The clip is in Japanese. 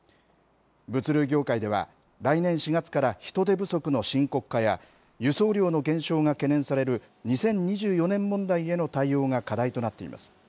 物流業界では、来年４月から人手不足の深刻化や、輸送量の減少が懸念される２０２４年問題への対応が課題となっています。